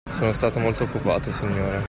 Sono stato molto occupato, signora.